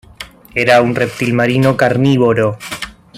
Era un reptil marino carnívoro.